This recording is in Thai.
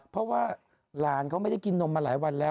เพราะว่าหลานเขาไม่ได้กินนมมาหลายวันแล้ว